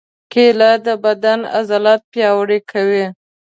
کېله د بدن عضلات پیاوړي کوي.